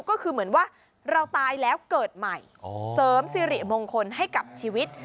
ก็คือเหมือนว่าเราตายแล้วเกิดใหม่เสริมสิริมงคลให้กับชีวิต